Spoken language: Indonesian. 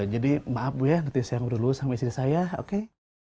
jadi maaf bu ya nanti saya ngobrol dulu sama istri saya oke